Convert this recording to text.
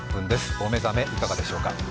お目覚め、いかがでしょうか。